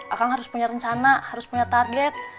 akang harus punya rencana harus punya target